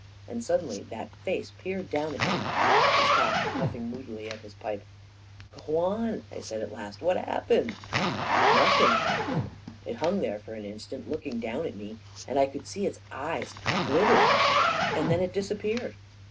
And suddenly that face peered down at me •.." He stopped, puffing moodily at his pipe. 44 Go on," I said, at last. ' 4 What happened? " 44 Nothing happened. It hung there for an in stant looking down at me, and I could «ee its eyes glittering; and then it disappeared.